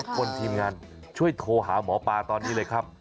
คนทีมงานช่วยโทรหาหมอปลาตอนนี้เลยครับ